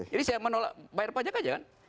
jadi saya menolak bayar pajak aja kan